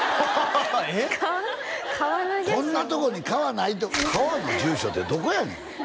川の住所をこんなところに川ないと川の住所ってどこやねん！